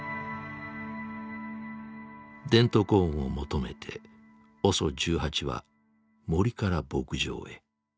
デントコーンを求めてＯＳＯ１８は森から牧場へ。